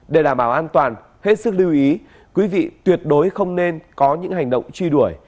để đảm bảo an toàn hết sức lưu ý quý vị tuyệt đối không nên có những hành động truy đuổi